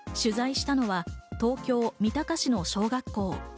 取材したのは東京・三鷹市の小学校。